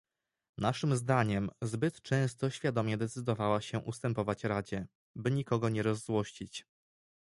Naszym zdaniem zbyt często świadomie decydowała się ustępować Radzie, by nikogo nie rozzłościć